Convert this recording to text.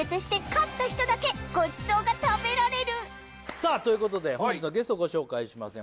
さあということで本日のゲストをご紹介します